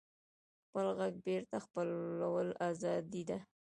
خپل غږ بېرته خپلول ازادي ده.